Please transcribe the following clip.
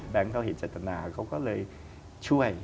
เขาเห็นเจตนาเขาก็เลยช่วย